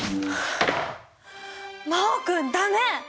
真旺君ダメ！